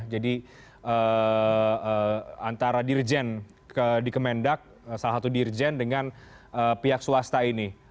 jadi antara dirjen di kemendak salah satu dirjen dengan pihak swasta ini